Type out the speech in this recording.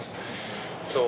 そう、